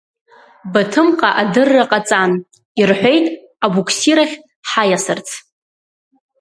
Баҭымҟа адырра ҟаҵан, ирҳәеит абуксир ахь ҳаиасырц.